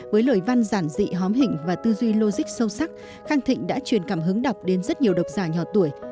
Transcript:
với lời văn giản dị hóm hình và tư duy logic sâu sắc khang thịnh đã truyền cảm hứng đọc đến rất nhiều độc giả nhỏ tuổi